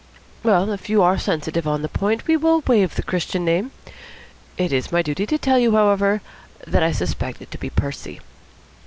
Well, if you are sensitive on the point, we will waive the Christian name. It is my duty to tell you, however, that I suspect it to be Percy.